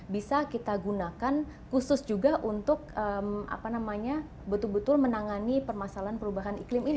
bisa kita gunakan khusus juga untuk betul betul menangani permasalahan perubahan iklim ini